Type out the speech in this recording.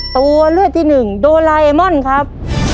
ตัวเลือดที่๑โดเรมมอนครับ